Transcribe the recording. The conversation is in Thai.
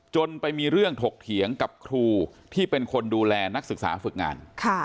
จนไปมีเรื่องถกเถียงกับครูที่เป็นคนดูแลนักศึกษาฝึกงาน